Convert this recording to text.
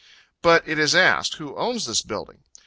But it is asked, who owns this building?